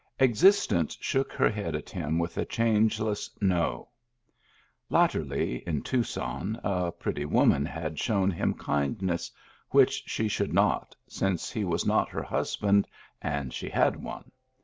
Existence shook her head ?it him with a changeless " No." Lat terly, in Tucson, a pretty woman had shown him kindness which she should not, since he was not her husband and she had one.